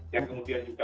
yang kemudian juga